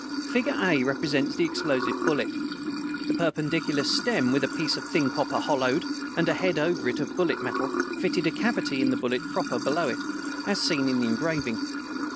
Figure A represents the explosive bullet. The perpendicular stem, with a piece of thin copper hollowed, and a head over it of bullet metal, fitted a cavity in the bullet proper below it, as seen in the engraving.